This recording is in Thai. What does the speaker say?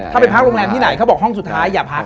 ถ้าไปพักโรงแรมที่ไหนเขาบอกห้องสุดท้ายอย่าพัก